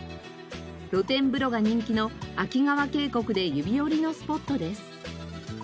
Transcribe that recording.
露天風呂が人気の秋川渓谷で指折りのスポットです。